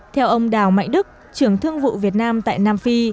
theo ông đào mạnh đức trưởng thương vụ việt nam tại nam phi